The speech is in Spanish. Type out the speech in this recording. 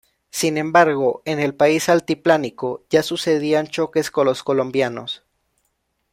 Sin embargo, en el país altiplánico ya sucedían choques con los colombianos.